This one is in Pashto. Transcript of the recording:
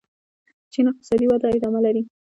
چین اقتصادي وده ادامه لري.